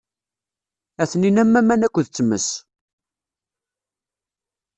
Atenin am aman akked tmes.